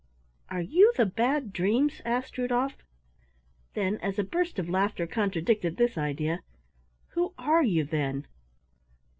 "Are you the Bad Dreams?" asked Rudolf. Then, as a burst of laughter contradicted this idea "Who are you, then?"